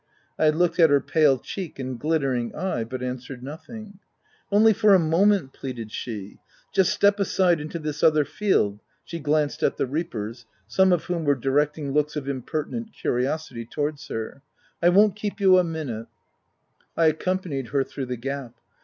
I looked at her pale cheek and glittering eye, but answered nothing. " Only for a moment," pleaded she. " Just step aside into this other field/' she glanced at the reapers, some of whom were directing looks of impertinent curiosity towards her — M I won't keep you a minute/' I accompanied her through the gap.